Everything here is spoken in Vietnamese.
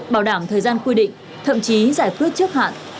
bảo đảm thời gian quy định thậm chí giải quyết trước hạn